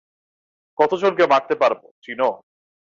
কতজনকে মারতে পারবো, চিনো?